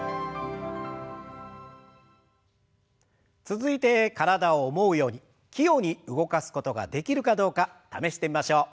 続いて体を思うように器用に動かすことができるかどうか試してみましょう。